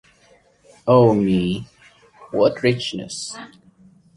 Oh, me, what richness!